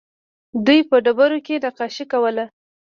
دوی په ډبرو کې نقاشي کوله